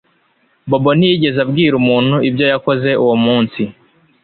Bobo ntiyigeze abwira umuntu ibyo yakoze uwo munsi